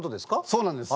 そうなんです。